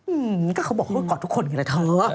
อืมก็เขาบอกว่ากอดทุกคนกันแหละเถอะ